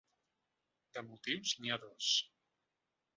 De motius, n’hi ha dos.